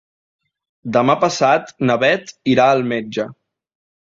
Demà passat na Beth irà al metge.